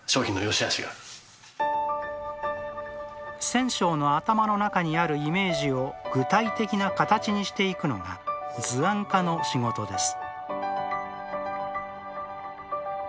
染匠の頭の中にあるイメージを具体的な形にしていくのが図案家の仕事です